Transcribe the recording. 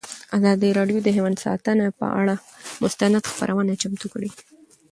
ازادي راډیو د حیوان ساتنه پر اړه مستند خپرونه چمتو کړې.